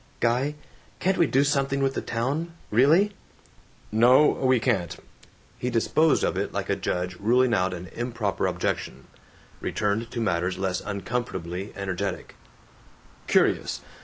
"Guy! Can't we do something with the town? Really?" "No, we can't!" He disposed of it like a judge ruling out an improper objection; returned to matters less uncomfortably energetic: "Curious.